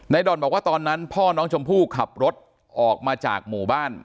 ด่อนบอกว่าตอนนั้นพ่อน้องชมพู่ขับรถออกมาจากหมู่บ้าน